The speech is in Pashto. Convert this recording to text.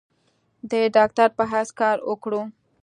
د ډاکټر پۀ حېث کار اوکړو ۔